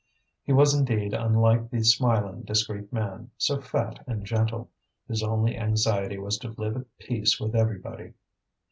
He was indeed unlike the smiling discreet man, so fat and gentle, whose only anxiety was to live at peace with everybody.